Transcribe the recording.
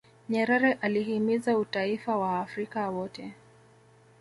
nyerere alihimiza utaifa wa waafrika wote